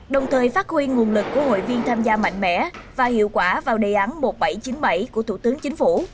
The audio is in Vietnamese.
đồng thời phát huy nguồn lực của hội viên tham gia mạnh mẽ và hiệu quả vào đề án một nghìn bảy trăm chín mươi bảy của thủ tướng chính phủ